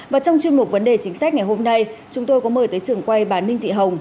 và trong chuyên mục vấn đề chính sách ngày hôm nay chúng tôi có mời tới trường quay bà ninh thị hồng